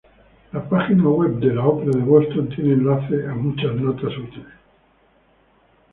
La página web de la Ópera de Boston tiene enlaces a muchas notas útiles.